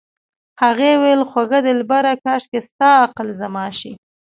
هغې وې خوږه دلبره کاشکې ستا عقل زما شي